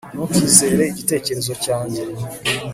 ntukizere igitekerezo cyanjye